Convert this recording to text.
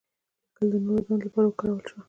لیکل د نوو دندو لپاره وکارول شول.